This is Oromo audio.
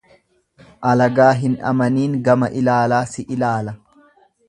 Alagaa hin amaniin gama ilaalaa si ilaala.